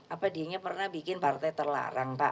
apa dia nya pernah bikin partai terlarang pak